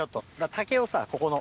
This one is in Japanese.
竹をさここの。